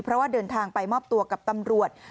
เพราะว่าเดินทางไปมอบตัวกับตำรวจ